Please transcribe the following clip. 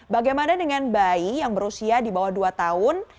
bagaimana dengan bayi yang berusia di bawah dua tahun